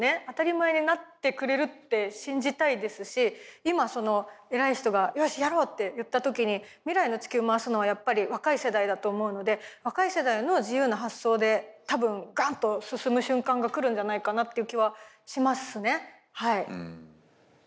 当たり前になってくれるって信じたいですし今偉い人がよしやろう！って言った時に未来の地球を回すのはやっぱり若い世代だと思うので若い世代の自由な発想で多分ガンッと進む瞬間が来るんじゃないかなっていう気はしますねはい。